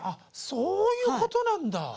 そういうことなんだ。